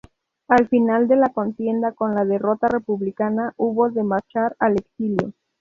Al final de la contienda, con la derrota republicana, hubo de marchar al exilio.